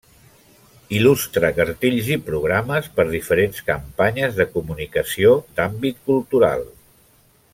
Il·lustra cartells i programes per diferents campanyes de comunicació d’àmbit cultural.